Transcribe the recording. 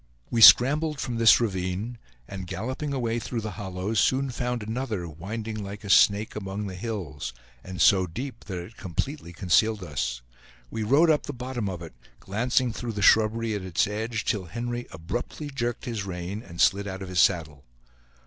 We scrambled from this ravine, and galloping away through the hollows, soon found another, winding like a snake among the hills, and so deep that it completely concealed us. We rode up the bottom of it, glancing through the shrubbery at its edge, till Henry abruptly jerked his rein, and slid out of his saddle.